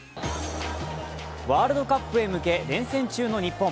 ワールドカップへ向け連戦中の日本。